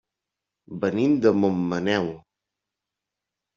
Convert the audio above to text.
Venim de Montmaneu.